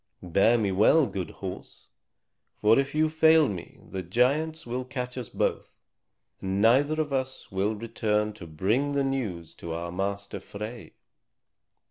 Bear me well, good horse; for if you fail me the giants will catch us both, and neither of us will return to bring the news to our master Frey."